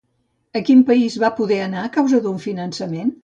A quin país va poder anar a causa d'un finançament?